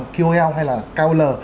ql hay là kol